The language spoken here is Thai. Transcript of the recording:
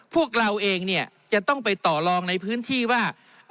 พวกเราเองเนี่ยจะต้องไปต่อลองในพื้นที่ว่า